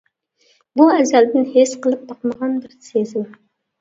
بۇ ئەزەلدىن ھېس قىلىپ باقمىغان بىر سېزىم.